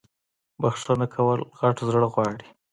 بخښنه کول غت زړه غواړی